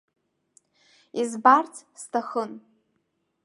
Избарц сҭахын.